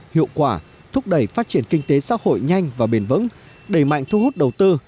hiệu quả thúc đẩy phát triển kinh tế xã hội nhanh và bền vững đẩy mạnh thu hút đầu tư